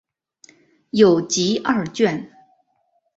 有集二卷。